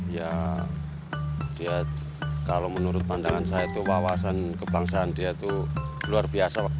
ya dia kalau menurut pandangan saya itu wawasan kebangsaan dia itu luar biasa